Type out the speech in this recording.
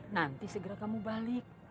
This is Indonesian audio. nanti segera kamu balik